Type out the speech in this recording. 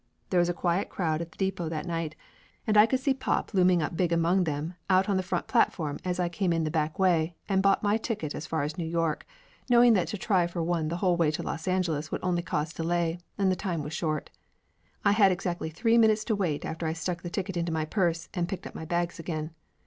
There was quite a crowd at the depot that night, Laughter Limited 53 and I could see pop looming up big among them out on the front platform as I came in the back way and bought me a ticket as far as New York, knowing that to try for one the whole way to Los Angeles would only cause delay, and the time was short. I had ex actly three minutes to wait after I stuck the ticket into my purse and picked my bags up again.